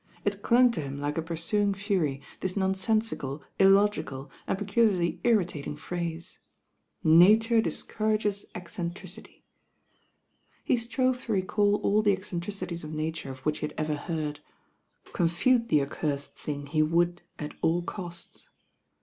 It clung to him like a pursuing fury, this nonsensical, illogical and peculiarly irritat ing phrase. "Nature discourages eccentricity!" He strove to recall all the eccentricities of Na ture of which he had ever heard. Confute the ac cursed thing he would at all costs.